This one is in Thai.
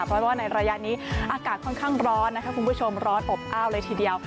เพราะว่าในระยะนี้อากาศค่อนข้างร้อนนะคะคุณผู้ชมร้อนอบอ้าวเลยทีเดียว